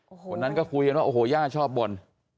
วันนั้นก็คุยกันว่าโอ้โหย่าชอบบ่น